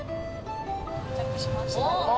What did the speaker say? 到着しました。